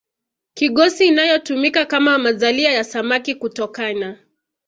kigosi inayotumika kama mazalia ya samaki kutokana